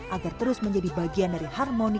agar terus menjadi bagian dari harmoni